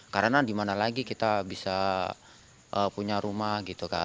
karena dimana lagi kita bisa punya rumah gitu